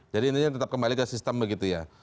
jadi ini tetap kembali ke sistem begitu ya